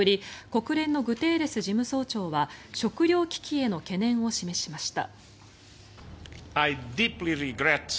国連のグテーレス事務総長は食糧危機への懸念を示しました。